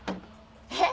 えっ？